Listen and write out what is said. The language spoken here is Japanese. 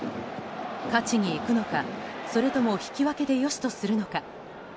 勝ちにいくのか、それとも引き分けで良しとするのか。